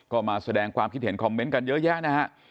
ก็มาแสดงความคิดเห็นคอมเมนต์กันเยอะแยะนะฮะ